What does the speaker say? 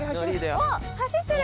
おっ走ってる。